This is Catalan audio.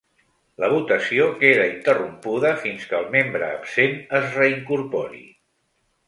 La votació queda interrompuda fins que el membre absent es reincorpori.